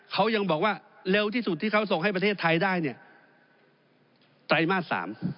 เขายังบอกว่าเร็วที่สุดที่เขาส่งให้ประเทศไทยได้เนี่ยไตรมาส๓